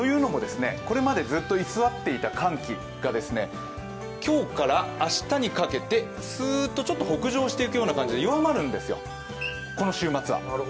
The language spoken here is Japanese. これまでずっと居座っていた寒気が今日から明日にかけてすーっと、ちょっと北上していくような感じで弱まるんですよ、この週末は。